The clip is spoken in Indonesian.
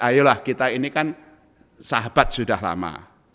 ayolah kita ini kan sahabat sudah lama